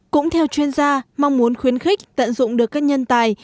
cũng theo chuyên gia mong muốn khuyến khích tận dụng được các nhân tài